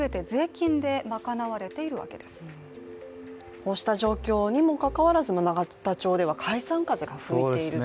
こうした状況にもかかわらず永田町では、解散風が吹いていると。